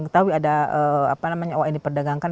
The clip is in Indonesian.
tahu ada owa yang diperdagangkan